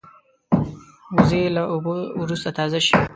وزې له اوبو وروسته تازه شي